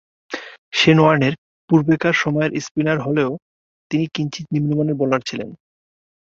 Shane ওয়ার্নের পূর্বেকার সময়ের স্পিনার হলেও তিনি কিঞ্চিৎ নিম্নমানের বোলার ছিলেন।